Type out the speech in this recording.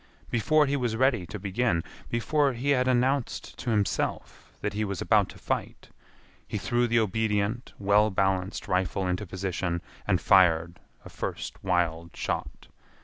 Before he was ready to begin—before he had announced to himself that he was about to fight—he threw the obedient well balanced rifle into position and fired a first wild shot.